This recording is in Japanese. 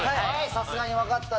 さすがに分かったね。